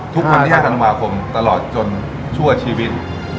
ทุกคนเรียกทางวาคมตลอดจนช่วยชีวิต